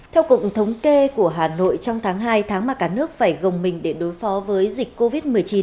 theo cục thống kê của hà nội trong tháng hai tháng mà cả nước phải gồng mình để đối phó với dịch covid một mươi chín